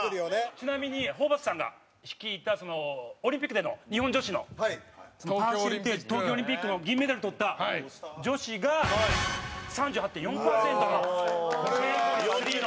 ちなみに、ホーバスさんが率いたオリンピックでの日本女子の東京オリンピックの銀メダルとった女子が３８．４％の成功率、スリーの。